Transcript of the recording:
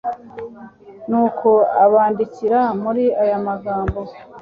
nuko abandikira muri aya magambo